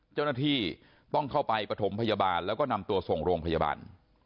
เจ้าหน้าที่ต้องเข้าไปปฐมพยาบาลแล้วก็นำตัวส่งโรงพยาบาล